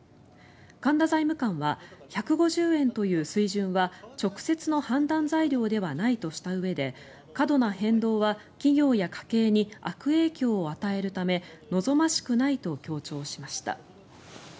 神田財務官は１５０円という水準は直接の判断材料ではないとしたうえで過度な変動は企業や家計に悪影響を与えるため望ましくないと強調しました。